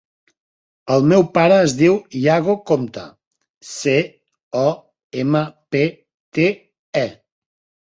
El meu pare es diu Yago Compte: ce, o, ema, pe, te, e.